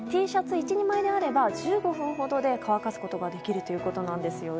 Ｔシャツ１、２枚であれば１５分で乾かすことができるということです。